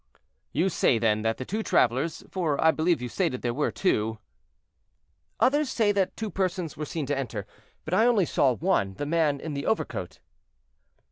"You say, then, that the two travelers, for I believe you stated there were two—" "Others say that two persons were seen to enter, but I only saw one, the man in the overcoat."